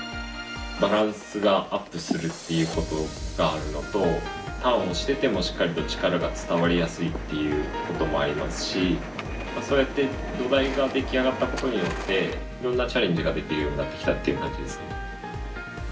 バランスがアップするっていうことがあるのとターンをしててもしっかりと力が伝わりやすいっていうこともありますしそうやって土台が出来上がったことによっていろんなチャレンジができるようになってきたっていう感じですね。